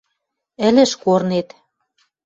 Ӹлӹш корнет